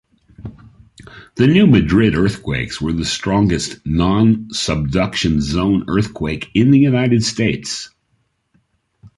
The New Madrid earthquakes were the strongest non-subduction zone earthquake in the United States.